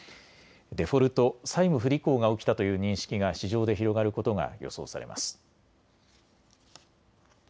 デフォルト・債務不履行が起きたという認識が市場で広がることが予想されます。